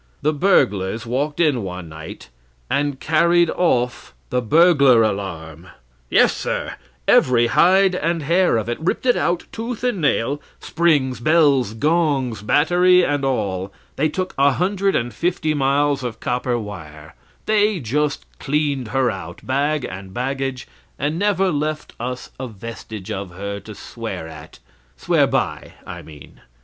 The burglars walked in one night and carried off the burglar alarm! yes, sir, every hide and hair of it: ripped it out, tooth and nail; springs, bells, gongs, battery, and all; they took a hundred and fifty miles of copper wire; they just cleaned her out, bag and baggage, and never left us a vestige of her to swear at swear by, I mean.